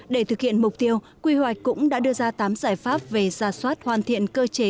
để thực hiện mục tiêu quy hoạch cũng đã đưa ra tám giải pháp về giả soát hoàn thiện cơ chế